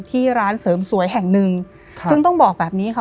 ที่ร้านเสริมสวยแห่งหนึ่งค่ะซึ่งต้องบอกแบบนี้ค่ะ